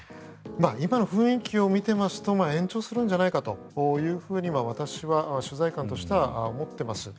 今の雰囲気を見ていますと延長するんじゃないかと私は取材感としては思っています。